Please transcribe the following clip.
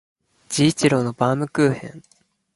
治一郎のバームクーヘン